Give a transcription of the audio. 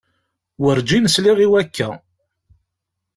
Werǧin sliɣ i wakka.